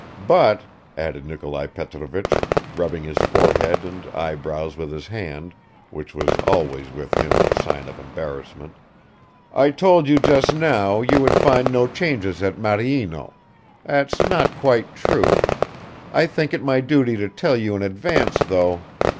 But," added Nikolai Petrovich, rubbing his forehead and eyebrows with his hand (which was always with him a sign of embarrassment), "I told you just now you would find no changes at Maryino, ... That's not quite true ... I think it my duty to tell you in advance, though